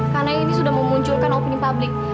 karena ini sudah memunculkan opini publik